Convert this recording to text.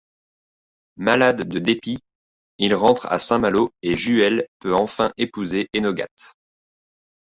Malade de dépit, il rentre à Saint-Malo et Juhel peut enfin épouser Enogate.